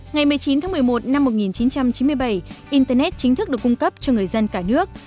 ngày một mươi chín tháng một mươi một năm một nghìn chín trăm chín mươi bảy internet chính thức được cung cấp cho người dân cả nước